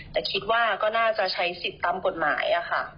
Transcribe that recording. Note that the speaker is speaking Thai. แต่คิดว่าก็น่าจะใช้สิทธิ์ตามกฎหมายค่ะ